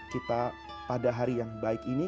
kita pada hari yang baik ini